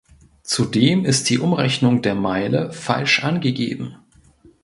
Zudem ist die Umrechnung der Meile falsch angegeben.